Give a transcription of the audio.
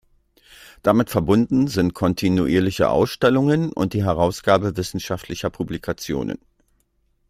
Damit verbunden sind kontinuierliche Ausstellungen und die Herausgabe wissenschaftlicher Publikationen.